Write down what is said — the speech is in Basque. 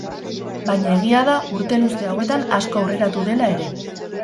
Baina egia da urte luze hauetan asko aurreratu dela ere.